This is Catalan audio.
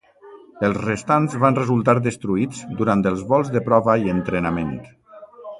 Els restants van resultar destruïts durant els vols de prova i entrenament.